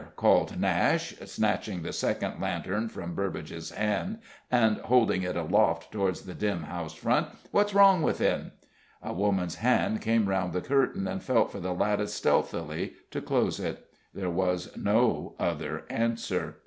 called Nashe, snatching the second lantern from Burbage's hand and holding it aloft towards the dim house front. "What's wrong within?" A woman's hand came around the curtain and felt for the lattice stealthily, to close it. There was no other answer.